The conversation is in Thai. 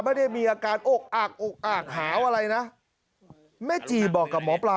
ไม่ได้มีอาการอกอากอกอากหาวอะไรนะแม่จีบอกกับหมอปลา